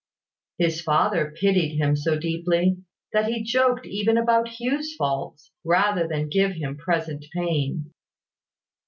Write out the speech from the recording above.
His father pitied him so deeply, that he joked even about Hugh's faults, rather than give him present pain.